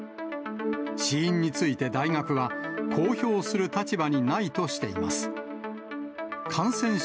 死因について大学は、公表する立場にないとしています。